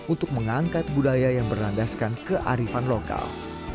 untuk mengangkat budaya yang berlandaskan kearifan lokal